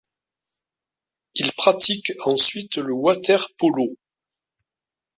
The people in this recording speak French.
Il pratique ensuite le water-polo.